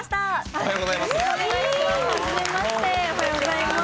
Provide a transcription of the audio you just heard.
ありがとうございます。